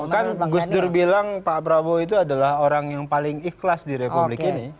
kan gus dur bilang pak prabowo itu adalah orang yang paling ikhlas di republik ini